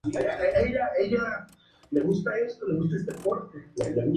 Se ubica en la localidad burgalesa de Covarrubias, en Castilla y León.